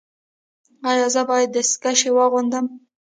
ایا زه باید دستکشې واغوندم؟